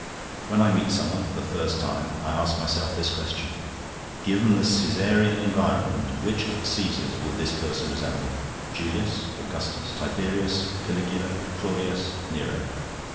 When I meet someone for the first time, I ask myself this question: Given the Caesarean environment, which of the Caesars would this person resemble Julius, Augustus, Tiberius, Caligula, Claudius, Nero?